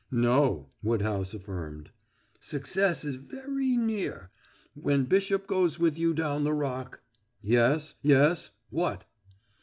"No," Woodhouse affirmed. "Success is veree near. When Bishop goes with you down the Rock " "Yes, yes! What?"